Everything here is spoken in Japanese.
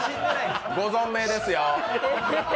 ご存命ですよ。